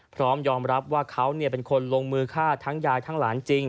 พร้อมยอมรับว่าเขาเป็นคนลงมือฆ่าทั้งยายทั้งหลานจริง